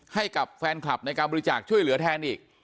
ให้กับแฟนคลับในการบริจาคช่วยเหลือแทนอีก